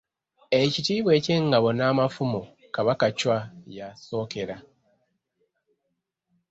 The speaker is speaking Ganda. Ekitiibwa eky'Engabo n'Amafumu Kabaka Chwa ya- sookera.